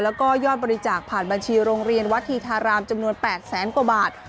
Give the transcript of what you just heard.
และยอดบริจาคผ่านบัญชีโรงเรียนวัฒน์ถีฐารามจำนวน๘๐๐๐๐๐บาท